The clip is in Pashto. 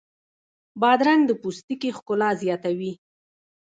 بادرنګ د پوستکي ښکلا زیاتوي.